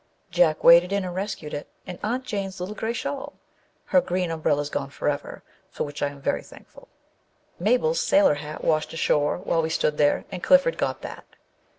Jack waded in and rescued it and Aunt Jane's little gray shawl (her green um brella's gone forever, for which I am very thankful). Mabel's sailor hat washed ashore while we stood there, and Clifford got that.